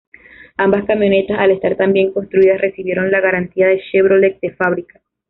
Ambas camionetas, al estar tan bien construidas, recibieron la garantía de Chevrolet de fábrica.